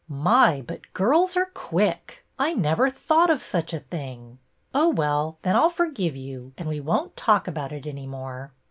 My, but girls are quick ! I never thought of such a thing," '' Oh, well, then I 'll forgive you, and we won't talk about it any more.